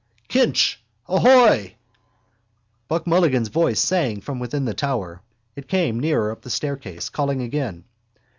—Kinch ahoy! Buck Mulligan's voice sang from within the tower. It came nearer up the staircase, calling again.